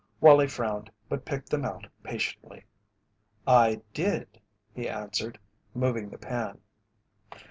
Wallie frowned but picked them out patiently. "I did," he answered, moving the pan.